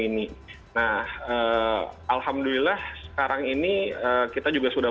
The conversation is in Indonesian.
untuk membuatnya dengan realisasi ekonomi